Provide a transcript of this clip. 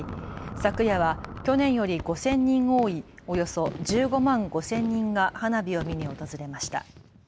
昨夜は去年より５０００人多いおよそ１５万５０００人が花火を見に訪れました。